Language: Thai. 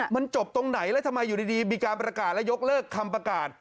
มันจบตรงไหนแล้วทำไมอยู่ดีมีการประกาศแล้วยกเลิกคำประกาศ